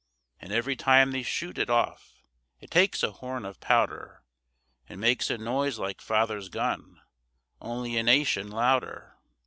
And every time they shoot it off, It takes a horn of powder, And makes a noise like father's gun, Only a nation louder.